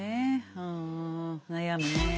うん悩むね。